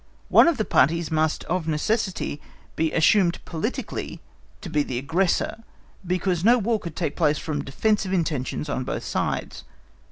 One of the parties must of necessity be assumed politically to be the aggressor, because no War could take place from defensive intentions on both sides.